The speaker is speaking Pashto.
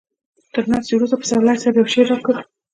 تر ناستې وروسته پسرلي صاحب يو شعر راکړ.